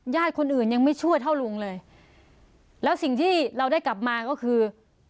คนอื่นยังไม่ช่วยเท่าลุงเลยแล้วสิ่งที่เราได้กลับมาก็คือ